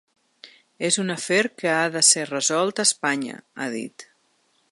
És un afer que ha de ser resolt a Espanya, ha dit.